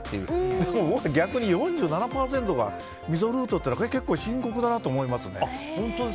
でも逆に４７％が溝ルートというのは深刻だなと思いますね。